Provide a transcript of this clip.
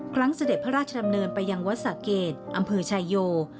เสด็จพระราชดำเนินไปยังวัดสะเกดอำเภอชายโย